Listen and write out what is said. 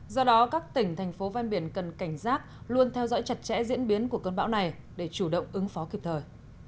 do đó các tỉnh thành phố ven biển cần cảnh giác luôn theo dõi chặt chẽ diễn biến của cơn bão này để chủ động ứng phó kịp thời